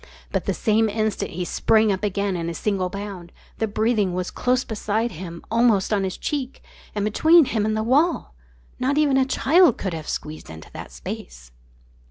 But the same instant he sprang up again in a single bound. The breathing was close beside him, almost on his cheek, and between him and the wall! Not even a child could have squeezed into the space.